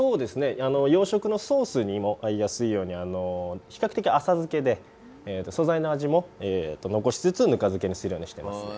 洋食のソースにも合いやすいように比較的、浅漬けで素材の味も残しつつぬか漬けにするようにしていますね。